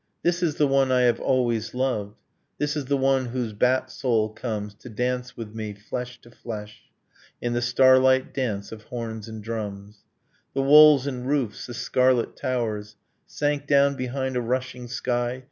. This is the one I have always loved; This is the one whose bat soul comes To dance with me, flesh to flesh, In the starlight dance of horns and drums ... The walls and roofs, the scarlet towers, Sank down behind a rushing sky.